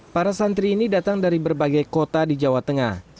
para santri ini datang dari berbagai kota di jawa tengah